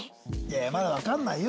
いやまだわかんないよ？